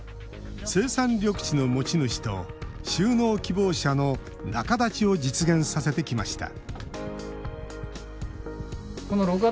生産緑地の持ち主と就農希望者の仲立ちを実現させてきました